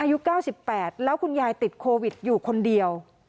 อายุ๙๘แล้วคุณยายติดโควิดอยู่คนเดียว